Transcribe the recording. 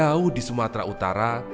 itu di sumatera utara